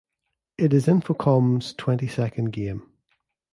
It is Infocom's twenty-second game.